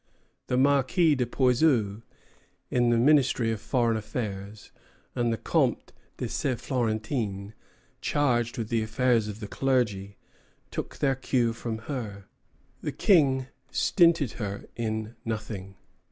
The Marquis de Puysieux, in the ministry of foreign affairs, and the Comte de St. Florentin, charged with the affairs of the clergy, took their cue from her. The King stinted her in nothing.